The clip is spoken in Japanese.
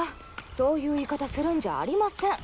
そういう言い方するんじゃありません。